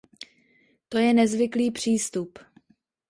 To je nezvyklý přístup.